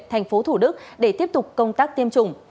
thành phố thủ đức để tiếp tục công tác tiêm chủng